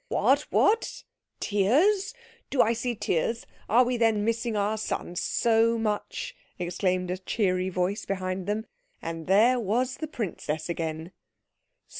"What? What? Tears? Do I see tears? Are we then missing our son so much?" exclaimed a cheery voice behind them. And there was the princess again.